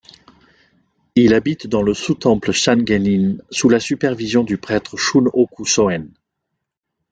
Il habite dans le sous-temple Sangen'in sous la supervision du prêtre Shun'oku Sōen.